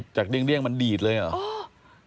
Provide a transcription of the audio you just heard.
จากเดี้ยงมันดีดเลยเหรอ